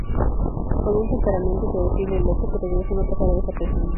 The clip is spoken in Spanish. Con un temperamento impredecible y loco, su regreso no pasará desapercibido.